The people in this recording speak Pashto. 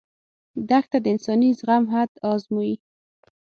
دښته د انساني زغم حد ازمويي.